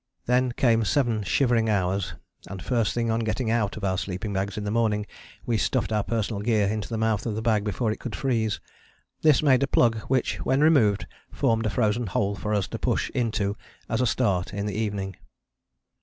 Then came seven shivering hours and first thing on getting out of our sleeping bags in the morning we stuffed our personal gear into the mouth of the bag before it could freeze: this made a plug which when removed formed a frozen hole for us to push into as a start in the evening.